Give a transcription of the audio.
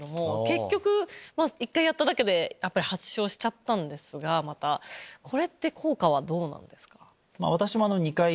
結局１回やっただけで発症しちゃったんですがこれって効果はどうなんですか？